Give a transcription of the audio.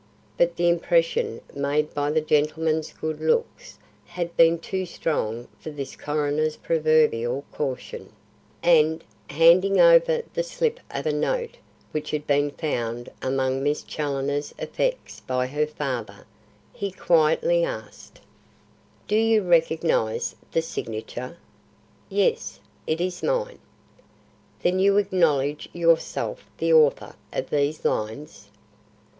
But the impression made by the gentleman's good looks had been too strong for this coroner's proverbial caution, and, handing over the slip of a note which had been found among Miss Challoner's effects by her father, he quietly asked: "Do you recognise the signature?" "Yes, it is mine." "Then you acknowledge yourself the author of these lines?"